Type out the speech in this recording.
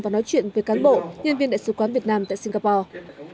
và nói chuyện với cán bộ nhân viên đại sứ quán việt nam tại singapore